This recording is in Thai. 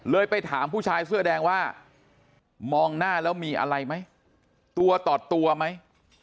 ไปถามผู้ชายเสื้อแดงว่ามองหน้าแล้วมีอะไรไหมตัวต่อตัวไหม